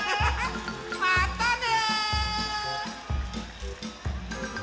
まったね！